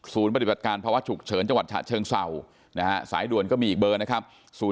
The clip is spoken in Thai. ปฏิบัติการภาวะฉุกเฉินจังหวัดฉะเชิงเศร้านะฮะสายด่วนก็มีอีกเบอร์นะครับ